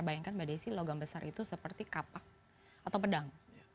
bayangkan mbak desi logam besar itu seperti kapak atau pedang